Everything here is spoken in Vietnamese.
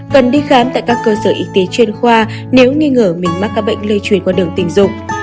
cần đi khám tại các cơ sở y tế chuyên khoa nếu nghi ngờ mình mắc các bệnh lây truyền qua đường tình dục